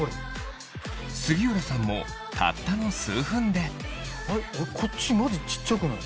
杉浦さんもたったの数分でこっちマジ小っちゃくない？